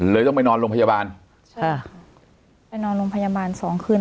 ต้องไปนอนโรงพยาบาลใช่ไปนอนโรงพยาบาลสองคืน